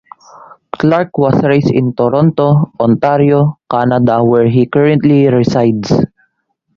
Clark was raised in Toronto, Ontario, Canada where he currently resides.